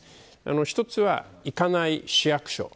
一つは、行かない市役所。